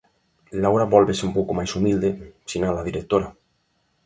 Laura vólvese un pouco máis humilde, sinala a directora.